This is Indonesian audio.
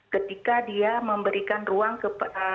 ketika dia memberikan ruang ke